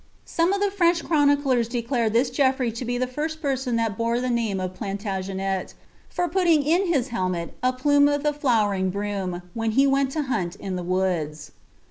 Some of the French chroniclers declare this Groffity to be the first person that bore the name of Plan lage net, from piiuingin his helmet a plume of the flowering broom, when he went to haul in the woods.